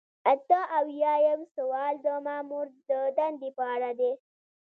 اته اویایم سوال د مامور د دندې په اړه دی.